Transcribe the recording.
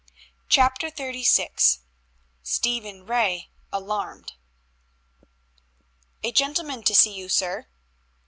CHAPTER XXXVI STEPHEN RAY ALARMED "A gentleman to see you, sir."